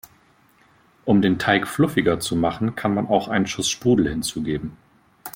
Um den Teig fluffiger zu machen, kann man auch einen Schuss Sprudel hinzugeben.